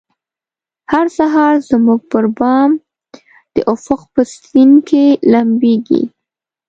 هر سهار زموږ پربام د افق په سیند کې لمبیږې